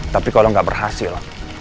tapi kalau nggak berhasil